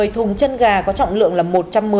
một mươi thùng chân gà có trọng lượng là